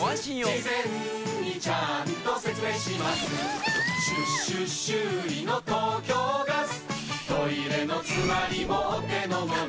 しゅ・しゅ・修理の東京ガストイレのつまりもお手のもの